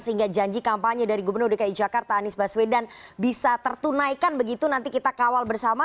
sehingga janji kampanye dari gubernur dki jakarta anies baswedan bisa tertunaikan begitu nanti kita kawal bersama